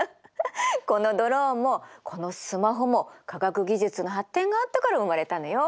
このドローンもこのスマホも科学技術の発展があったから生まれたのよ。